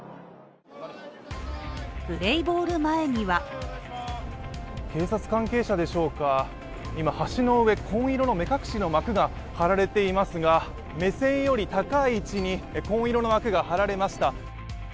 プレーボール前には警察関係者でしょうか、今、橋の上紺色の目隠しの幕がはられていますが目線より高い位置に紺色の幕が張られました。